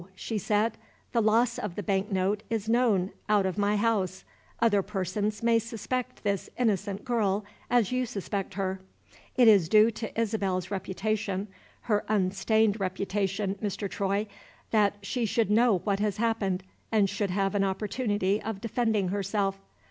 she said. "The loss of the bank note is known out of my house. Other persons may suspect this innocent girl as you suspect her. It is due to Isabel's reputation her unstained reputation, Mr. Troy! that she should know what has happened, and should have an opportunity of defending herself.